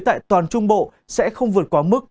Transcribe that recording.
tại toàn trung bộ sẽ không vượt qua mức